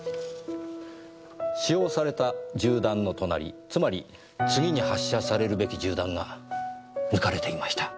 使用された銃弾の隣つまり次に発射されるべき銃弾が抜かれていました。